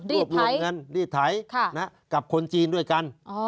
รีดไถรีดไถกับคนจีนด้วยกัน